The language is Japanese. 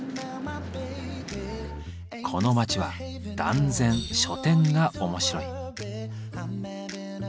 この街は断然書店が面白い。